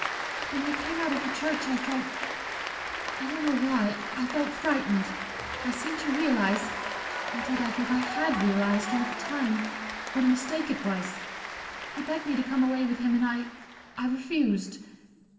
"When we came out of the church, I felt I don't know why I felt frightened. I seemed to realize indeed, I think I had realized all the time what a mistake it was. He begged me to come away with him, and I I refused.